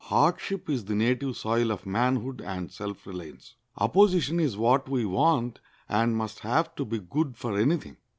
Hardship is the native soil of manhood and self reliance. Opposition is what we want and must have to be good for any thing.